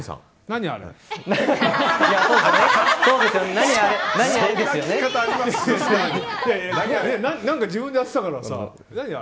何か自分でやってたからさ。